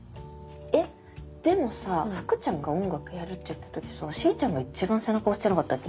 えっでもさ福ちゃんが音楽やるって言った時さしーちゃんが一番背中押してなかったっけ？